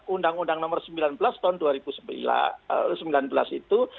undang undang nomor sembilan belas tahun dua ribu sembilan belas itu